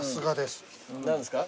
何ですか？